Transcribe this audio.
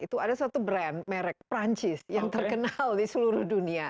itu ada satu brand merek perancis yang terkenal di seluruh dunia